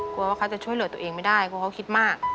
ว่าเขาจะช่วยเหลือตัวเองไม่ได้เพราะเขาคิดมาก